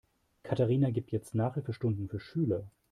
Katharina gibt jetzt Nachhilfestunden für Schüler.